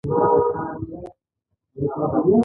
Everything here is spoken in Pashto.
د تاج پر ځای یې ورته د اوسپنې کړۍ واچوله.